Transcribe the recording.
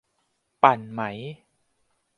ปั่นไหม ?